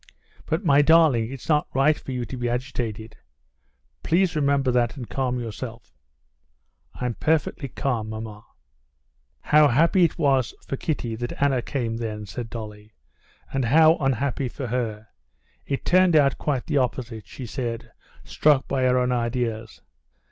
But, my darling, it's not right for you to be agitated. Please remember that, and calm yourself." "I'm perfectly calm, maman." "How happy it was for Kitty that Anna came then," said Dolly, "and how unhappy for her. It turned out quite the opposite," she said, struck by her own ideas.